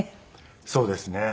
そうですね。